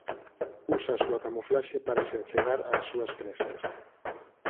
Usa a súa camuflaxe para se achegar ás súas presas.